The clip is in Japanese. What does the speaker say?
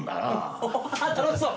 楽しそう！